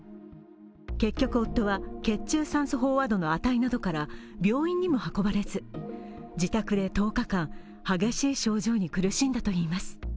結局夫は、血中酸素飽和度の値などから病院にも運ばれず自宅で１０日間、激しい症状に苦しんだといいます。